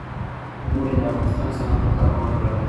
اوړي د افغانستان د صنعت لپاره مواد برابروي.